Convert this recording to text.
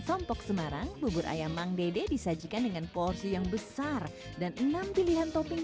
sompok semarang bubur ayam mang dede disajikan dengan porsi yang besar dan enam pilihan topping